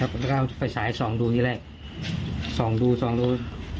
แล้วก็ไปสายส่องดูอีกแรกส่องดูส่องดู